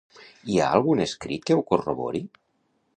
Hi ha algun escrit que ho corrobori?